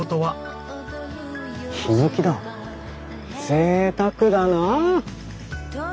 ぜいたくだなあ。